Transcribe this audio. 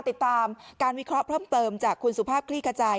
ติดตามการวิเคราะห์เพิ่มเติมจากคุณสุภาพคลี่ขจาย